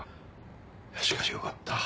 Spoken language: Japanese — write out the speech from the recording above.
しかしよかった。